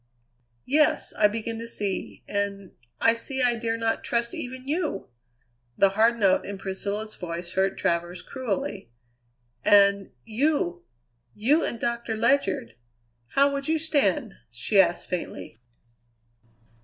"Yes, I begin to see. And I see I dare not trust even you!" The hard note in Priscilla's voice hurt Travers cruelly. "And you, you and Doctor Ledyard how would you stand?" she asked faintly.